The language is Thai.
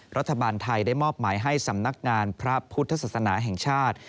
รัฐบาลไทยได้มอบหมายให้สำนักงานพระพุทธศาสนาแห่งชาติ